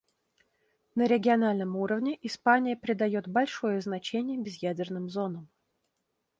На региональном уровне Испания придает большое значение безъядерным зонам.